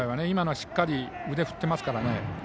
今のはしっかり腕を振っていますから。